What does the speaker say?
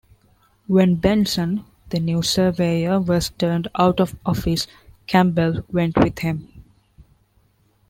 When Benson, the new Surveyor was turned out of office, Campbell went with him.